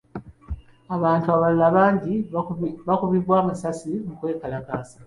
Abantu abalala bangi baakubibwa amasasi mu kwekalakasa.